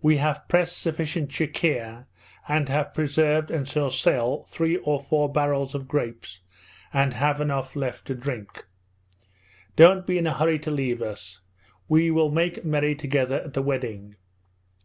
We have pressed sufficient CHIKHIR and have preserved and shall sell three or four barrels of grapes and have enough left to drink. Don't be in a hurry to leave us. We will make merry together at the wedding.'